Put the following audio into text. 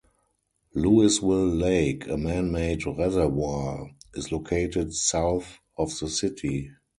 Lewisville Lake, a man-made reservoir, is located south of the city.